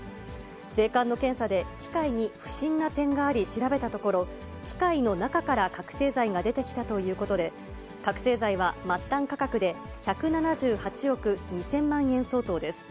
税関の検査で機械に不審な点があり、調べたところ、機械の中から覚醒剤が出てきたということで、覚醒剤は末端価格で１７８億２０００万円相当です。